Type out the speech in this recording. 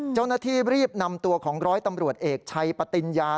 เจ้าหน้าที่รีบนำตัวของร้อยตำรวจเอกชัยปติญญา